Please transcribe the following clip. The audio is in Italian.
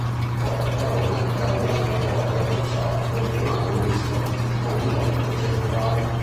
Forte Parona era un grande forte a tracciato poligonale misto, con ridotto centrale.